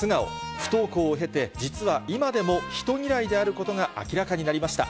不登校を経て、実は今でも人嫌いであることが明らかになりました。